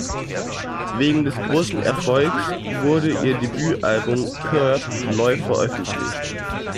Wegen des großen Erfolgs wurde ihr Debütalbum "Curb" neu veröffentlicht.